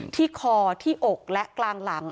ที่คอที่อกและกลางหลัง